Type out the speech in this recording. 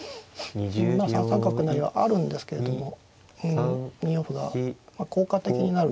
まあ３三角成はあるんですけれどもうん２四歩が効果的になるんですね。